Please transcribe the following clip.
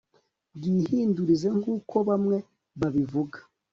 bwihindurize nk uko bamwe babivuga